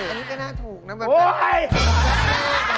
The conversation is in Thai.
อันนี้ก็น่าถูกนะแบบประงุ